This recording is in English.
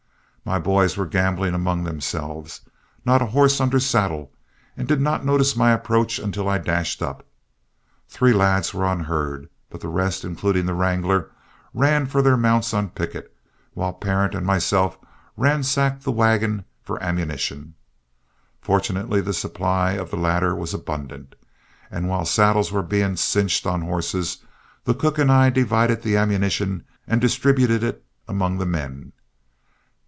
My boys were gambling among themselves, not a horse under saddle, and did not notice my approach until I dashed up. Three lads were on herd, but the rest, including the wrangler, ran for their mounts on picket, while Parent and myself ransacked the wagon for ammunition. Fortunately the supply of the latter was abundant, and while saddles were being cinched on horses, the cook and I divided the ammunition and distributed it among the men.